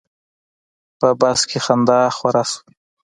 په بس کې خندا خوره شوه.